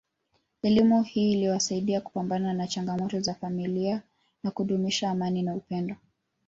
Elimu hii iliwasaidia kupambana na changamoto za familia na kudumisha amani na upendo